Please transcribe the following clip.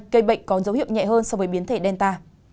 cây bệnh có dấu hiệu nhẹ hơn so với biến thể delta